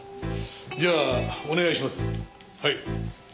じゃあお願いしますはい。